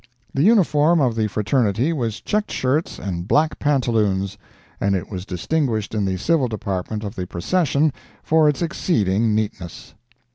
The uniform of the fraternity was check shirts and black pantaloons, and it was distinguished in the civil department of the Procession for its exceeding neatness.